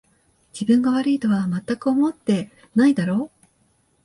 自分が悪いとはまったく思ってないだろう